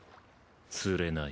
「釣れない」